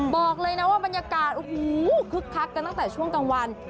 บอกเลยนะว่าบรรยากาศโอ้โหคึกคักกันตั้งแต่ช่วงกลางวัน